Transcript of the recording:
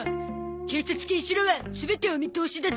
警察犬シロは全てお見通しだゾ。